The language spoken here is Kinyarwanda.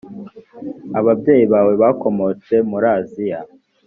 ababyeyi bawe bakomotse muraziya.